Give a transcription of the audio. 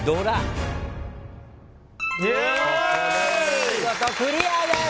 ここでお見事クリアです！